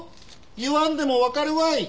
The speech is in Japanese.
言わんでもわかるわい。